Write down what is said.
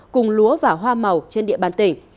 cùng lúa và hoa màu trên địa bàn tỉnh